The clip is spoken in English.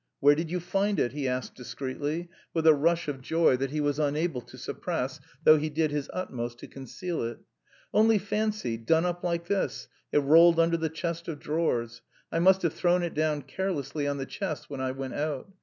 "Where did you find it?" he asked discreetly, with a rush of joy which he was unable to suppress, though he did his utmost to conceal it. "Only fancy, done up like this, it rolled under the chest of drawers. I must have thrown it down carelessly on the chest when I went out.